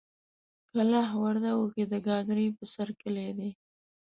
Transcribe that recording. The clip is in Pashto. کلاخ وردګو کې د ګاګرې په سر کلی دی.